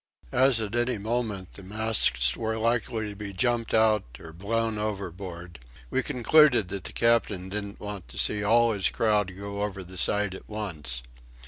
As at any moment the masts were likely to be jumped out or blown overboard, we concluded that the captain didn't want to see all his crowd go over the side at once.